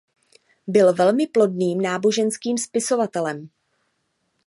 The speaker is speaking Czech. Byl velmi plodným náboženským spisovatelem.